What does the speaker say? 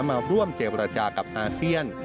มาร่วมเจรจากับอาเซียน